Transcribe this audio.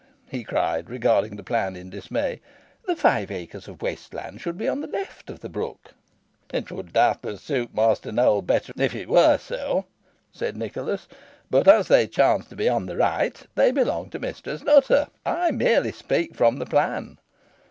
he cried, regarding the plan in dismay; "the five acres of waste land should be on the left of the brook." "It would doubtless suit Master Nowell better if it were so," said Nicholas; "but as they chance to be on the right, they belong to Mistress Nutter. I merely speak from the plan."